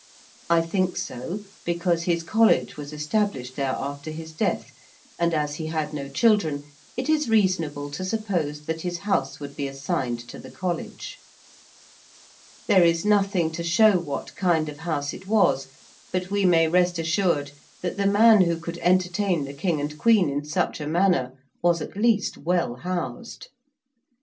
I think so because his College was established there after his death, and as he had no children it is reasonable to suppose that his house would be assigned to the College. There is nothing to show what kind of house it was, but we may rest assured that the man who could entertain the King and Queen in such a manner was at least well housed.